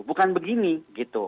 bukan begini gitu